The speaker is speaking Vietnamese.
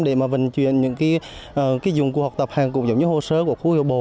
để mà vận chuyển những dụng cụ học tập hàng cũng giống như hồ sơ của khu hiệu bộ